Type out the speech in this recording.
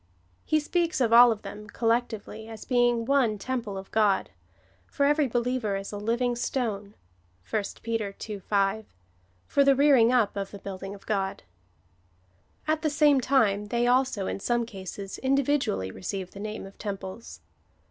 He speaks of all of them collectively as being one temple of God; for every be liever is a living stone, (1 Peter ii. 5,) for the rearing up of the building of God. At the same time they also, in some cases, individually receive the name of temples.